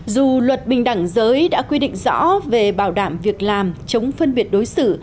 dù luật bình đẳng giới đã quy định rõ về bảo đảm việc làm chống phân biệt đối xử